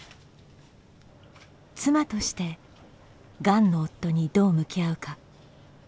妻としてがんの夫にどう向き合うか。